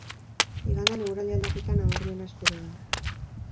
Igandean eguraldi aldaketa nabarmena espero da.